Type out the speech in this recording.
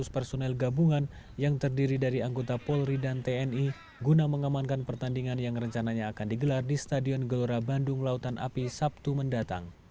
lima ratus personel gabungan yang terdiri dari anggota polri dan tni guna mengamankan pertandingan yang rencananya akan digelar di stadion gelora bandung lautan api sabtu mendatang